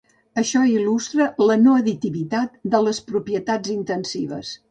Això il·lustra la no additivitat de les propietats intensives.